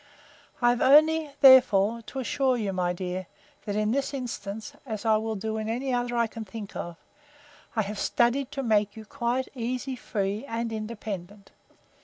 I have only, therefore, to assure you, my dear, that in this instance, as I will do in any other I can think of, I have studied to make you quite easy, free, and independent.